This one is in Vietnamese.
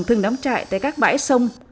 thường đóng trại tại các bãi sông